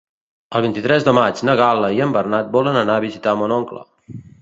El vint-i-tres de maig na Gal·la i en Bernat volen anar a visitar mon oncle.